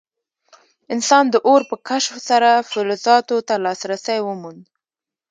انسان د اور په کشف سره فلزاتو ته لاسرسی وموند.